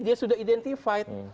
dia sudah identified